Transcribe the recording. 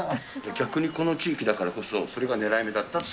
逆にこの地域だからこそそれがねらい目だったと？